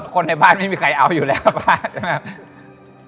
คนในบ้านไม่มีใครเอาอยู่แล้วกับบ้าน